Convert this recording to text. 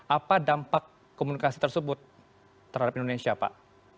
apa dampak komunikasi tersebut terhadap indonesia pak